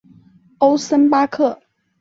欧森巴克。